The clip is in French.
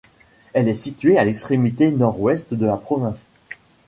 Elle est située à l'extrémité nord-ouest de la province.